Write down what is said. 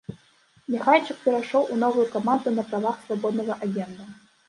Няхайчык перайшоў у новую каманду на правах свабоднага агента.